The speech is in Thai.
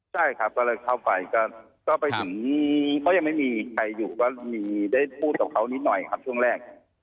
ใช่ครับก็เลยเข้าไปก็ไปถึงก็ยังไม่มีใครอยู่ก็มีได้พูดกับเขานิดหน่อยครับช่วงแรก